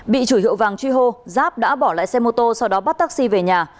bị chủ hiệu vàng truy hô giáp đã bỏ lại xe mô tô sau đó bắt taxi về nhà